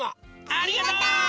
ありがとう！